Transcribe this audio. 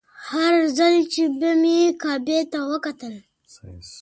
هر ځل چې به مې کعبې ته وکتل.